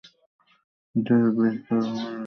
যাইহোক, বেশ বড় আর ভারী ছিল জিনিসটা।